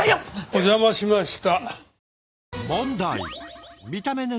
お邪魔しました。